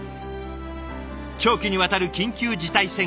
長期にわたる緊急事態宣言。